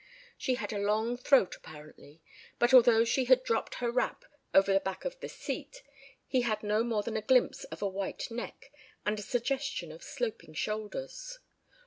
She had a long throat apparently, but although she had dropped her wrap over the back of the seat he had no more than a glimpse of a white neck and a suggestion of sloping shoulders.